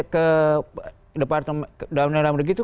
ke departemen dalam negeri itu